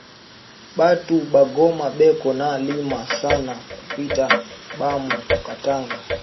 Batu ba goma beko na lima sana kupita bamu katanga